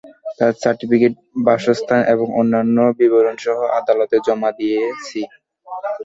তার সার্টিফিকেট, বাসস্থান এবং অন্যান্য বিবরণসহ আদালতে জমা দিয়েছি।